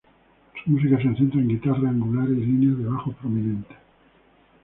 Su música se centra en guitarras angulares y líneas de bajo prominentes.